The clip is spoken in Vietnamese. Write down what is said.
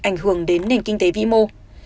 ảnh hưởng đến nền kinh tế vĩ mô